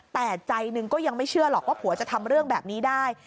แต่ใจหนึ่งก็ยังไม่เชื่อหรอกว่าผัวจะทำเรื่องแบบนี้ได้